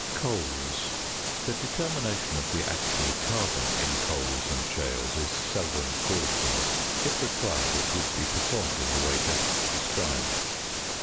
COALS. The determination of the actual carbon in coals and shales is seldom called for; if required, it would be performed in the way just described.